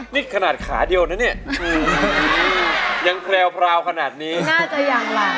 นี่ขนาดขาเดียวนะเนี่ย